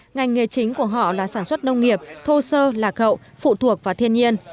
ngành nghề chính của họ là sản xuất nông nghiệp thô sơ lạc hậu phụ thuộc vào thiên nhiên